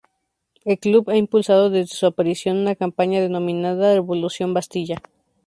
El club ha impulsado desde su aparición una campaña denominada Revolución Bastilla.